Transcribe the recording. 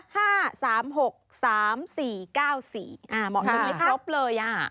หมอกมือครบเลย